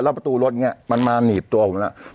แล้วประตูรถเนี่ยมันมาหนีบตัวผมแล้ว